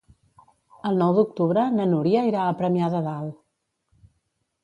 El nou d'octubre na Núria irà a Premià de Dalt.